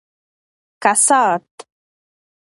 کسات